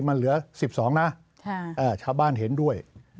มันเหลือ๑๒นะชาวบ้านเห็นด้วย